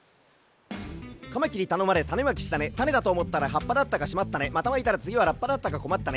「カマキリたのまれたねまきしたねたねだとおもったらはっぱだったかしまったねまたまいたらつぎはラッパだったかこまったね